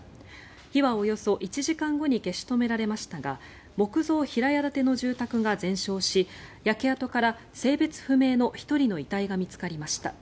火はおよそ１時間後に消し止められましたが木造平屋建ての住宅が全焼し焼け跡から性別不明の１人の遺体が見つかりました。